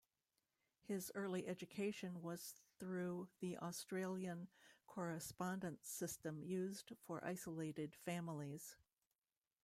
His early education was through the Australian correspondence system used for isolated families.